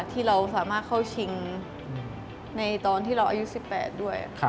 ที่เราสามารถเข้าชิงในตอนที่เราอายุ๑๘ด้วย